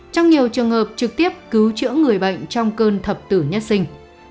trong nhiều trường hợp trực tiếp cứu chữa người bệnh trong cơn thập tử nhất sinh